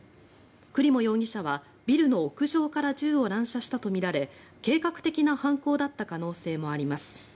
クリモ容疑者はビルの屋上から銃を乱射したとみられ計画的な犯行だった可能性もあります。